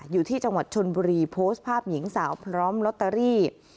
อยู่ที่จังหวัดชนบุรีโพสต์ภาพหญิงสาวพร้อมลอตเตอรี่